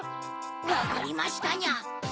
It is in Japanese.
わかりましたニャ。